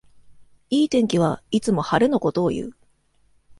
いい天気はいつも晴れのことをいう